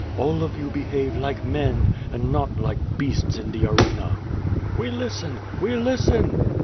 All of you behave like men, and not like beasts in the arena/' "We listen! We listen!"